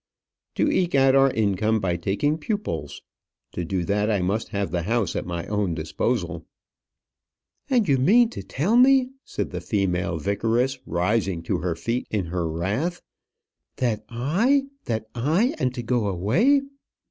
" To eke out our income by taking pupils. To do that, I must have the house at my own disposal." "And you mean to tell me," said the female vicaress, rising to her feet in her wrath, "that I that I am to go away?"